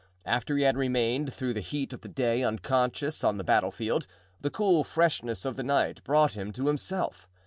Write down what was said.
After he had remained through the heat of the day unconscious on the battle field, the cool freshness of the night brought him to himself.